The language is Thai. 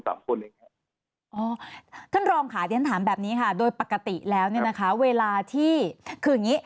ท่านรองค่ะเรียนถามแบบนี้ค่ะโดยปกติแล้วเนี่ยนะคะเวลาที่คืออย่างงี้